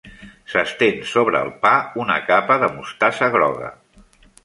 S'estén sobre el pa una capa de mostassa groga.